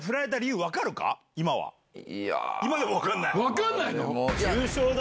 分かんないの？